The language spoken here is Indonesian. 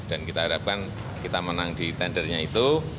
dan kita harapkan kita menang di tendernya itu